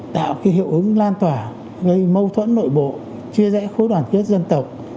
tạo cái hiệu ứng lan tỏa gây mâu thuẫn nội bộ chia rẽ khối đoàn kết dân tộc